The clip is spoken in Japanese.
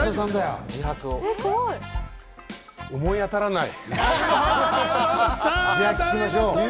思い当たらない。